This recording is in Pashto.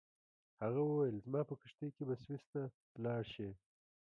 هغه وویل زما په کښتۍ کې به سویس ته لاړ شې.